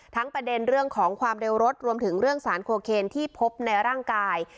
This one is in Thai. ประเด็นเรื่องของความเร็วรถรวมถึงเรื่องสารโคเคนที่พบในร่างกาย